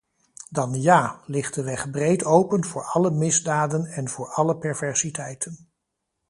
Dan ja, ligt de weg breed open voor alle misdaden en voor alle perversiteiten.